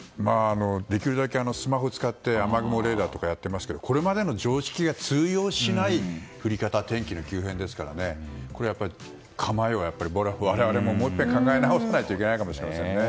できるだけスマホを使って雨雲レーダーとかやっていますがこれまでの常識が通用しない降り方や、天気の急変ですからこれ、構えは我々ももういっぺん考え直さないとですね。